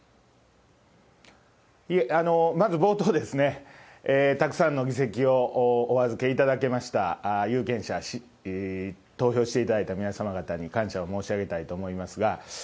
いえ、まず冒頭、たくさんの議席をお預けいただきました有権者、投票していただいた皆様方に感謝を申し上げたいと思いますが。